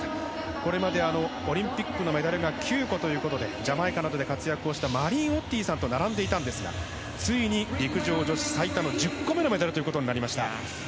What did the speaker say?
これまでオリンピックのメダルが９個ということでジャマイカなどで活躍したマリンさんと並んでいたんですがついに陸上女子最多の１０個目のメダルとなりました。